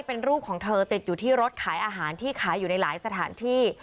เป็นรูปของเธอติดอยู่ที่รถขายอาหารที่ขายอยู่ในหลายสถานที่